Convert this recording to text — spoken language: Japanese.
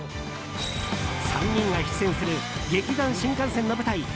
３人が出演する劇団☆新感線の舞台